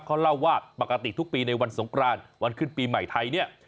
เขาเล่าว่าปกติทุกปีในวันสงครานวันขึ้นปีใหม่ไทยเนี่ย